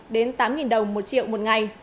đến tám đồng một triệu một ngày